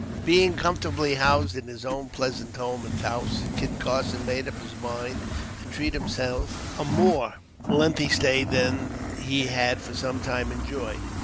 Being comfortably housed in his own pleasant home at Taos, Kit Carson made up his mind to treat himself to a more lengthy stay there than he had for some time enjoyed.